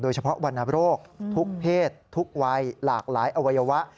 เฉพาะวรรณโรคทุกเพศทุกวัยหลากหลายอวัยวะ